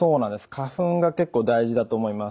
花粉が結構大事だと思います。